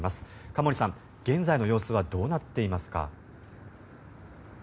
加守さん、現在の様子はどうなっていますか？